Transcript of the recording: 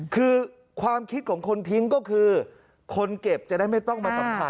คือความคิดของคนทิ้งก็คือคนเก็บจะได้ไม่ต้องมาสัมผัส